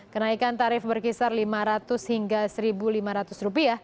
kenaikan tarif berkisar rp lima ratus hingga rp satu lima ratus